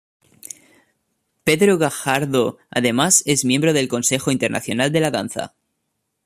Pedro Gajardo además es Miembro del Consejo Internacional de la Danza.